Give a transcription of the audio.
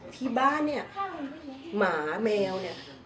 ที่บ้านเนี่ยหมาแมวเนี่ย